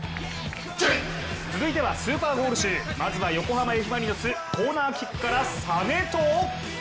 続いてはスーパーゴール集まずは横浜Ｆ・マリノスコーナーキックから、實藤。